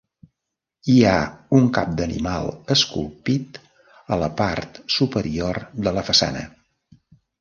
Hi ha un cap d'animal esculpit a la part superior de la façana.